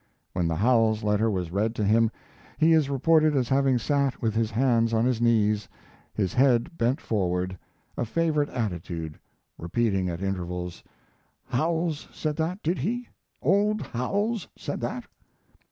When the Howells letter was read to him he is reported as having sat with his hands on his knees, his head bent forward a favorite attitude repeating at intervals: "Howells said that, did he? Old Howells said that!"